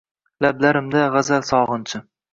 Lablarimda gʼazal sogʼinchi.